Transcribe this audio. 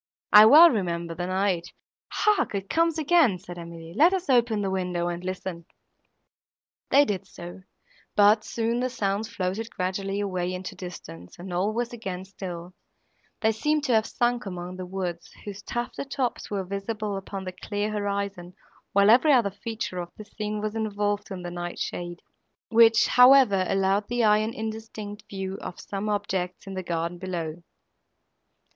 I well remember the night!"— "Hark! it comes again!" said Emily, "let us open the window, and listen." They did so; but, soon, the sounds floated gradually away into distance, and all was again still; they seemed to have sunk among the woods, whose tufted tops were visible upon the clear horizon, while every other feature of the scene was involved in the night shade, which, however, allowed the eye an indistinct view of some objects in the garden below.